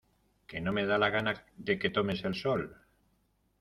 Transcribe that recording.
que no me da la gana de que tomes el sol